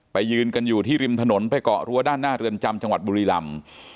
ยืนกันอยู่ที่ริมถนนไปเกาะรั้วด้านหน้าเรือนจำจังหวัดบุรีลำ